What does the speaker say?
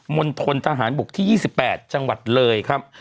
ณฑนทหารบกที่๒๘จังหวัดเลยครับ